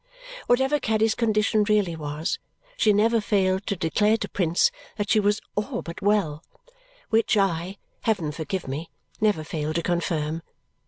Whatever Caddy's condition really was, she never failed to declare to Prince that she was all but well which I, heaven forgive me, never failed to confirm.